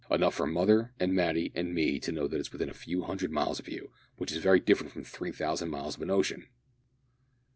Enough for mother, and Matty, and me to know that it's within a few hundred miles of you, which is very different from three thousand miles of an ocean!